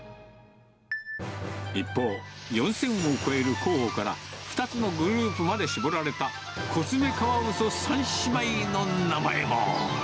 一方、４０００を超える候補から、２つのグループまで絞られたコツメカワウソ３姉妹の名前も。